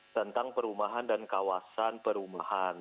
tentang perumahan dan kawasan perumahan